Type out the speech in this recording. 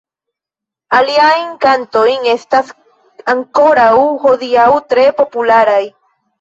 Iliaj kantoj estas ankoraŭ hodiaŭ tre popularaj.